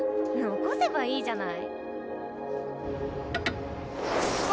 ・残せばいいじゃない。